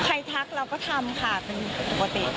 ทักเราก็ทำค่ะเป็นปกติ